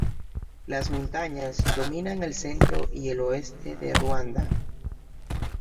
Las montañas dominan el centro y el oeste de Ruanda.